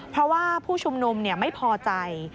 เพราะว่าผู้ชุมนุมไม่พอใจ